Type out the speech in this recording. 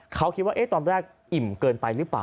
เขาคิดว่าตอนแรกอิ่มเกินไปหรือเปล่า